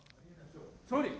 総理。